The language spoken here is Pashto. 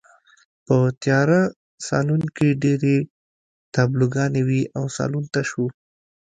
په تیاره سالون کې ډېرې تابلوګانې وې او سالون تش و